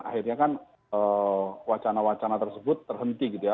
akhirnya kan wacana wacana tersebut terhenti gitu ya